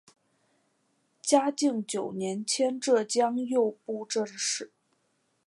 嘉靖九年迁浙江右布政使。